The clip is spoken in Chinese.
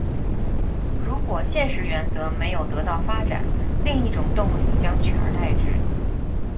如果现实原则没有得到发展，另一种动力将取而代之。